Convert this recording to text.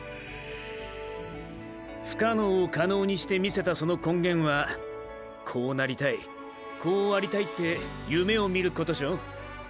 不可能を可能にしてみせたその根源はこうなりたいこうありたいって夢を見ることショ。